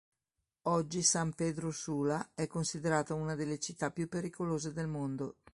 Oggi San Pedro Sula è considerata una delle città più pericolose del mondo.